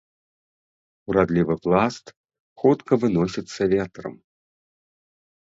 Урадлівы пласт хутка выносіцца ветрам.